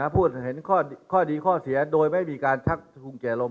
พูดเห็นข้อดีข้อเสียโดยไม่มีการชักทุงแก่ลม